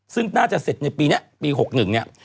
ซึ่งน่าจะเสร็จในปีนี้ปี๖๑เนี่ย